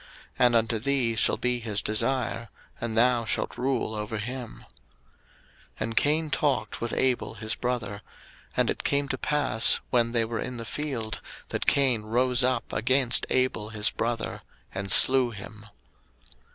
And unto thee shall be his desire, and thou shalt rule over him. 01:004:008 And Cain talked with Abel his brother: and it came to pass, when they were in the field, that Cain rose up against Abel his brother, and slew him.